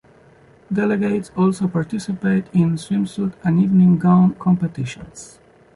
Delegates also participate in swimsuit and evening gown competitions.